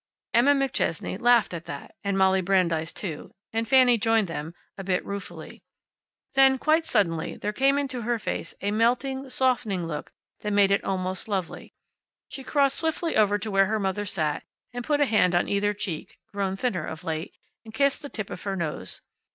Emma McChesney laughed at that, and Molly Brandeis too, and Fanny joined them a bit ruefully. Then quite suddenly, there came into her face a melting, softening look that made it almost lovely. She crossed swiftly over to where her mother sat, and put a hand on either cheek (grown thinner of late) and kissed the tip of her nose.